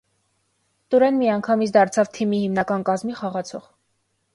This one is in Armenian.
Տուրեն միանգամից դարձավ թիմի հիմնական կազմի խաղացող։